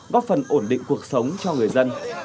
góp phần ổn định cuộc sống cho người dân